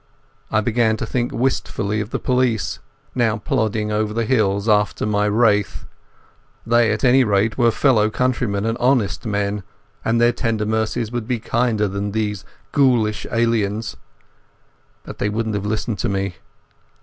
I began to think wistfully of the police, now plodding over the hills after my wraith. They at any rate were fellow countrymen and honest men, and their tender mercies would be kinder than these ghoulish aliens. But they wouldn't have listened to me.